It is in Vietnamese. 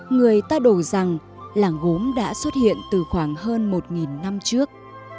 người ta đổ rằng làng gốm đã xuất hiện từ khoảng hơn một năm trước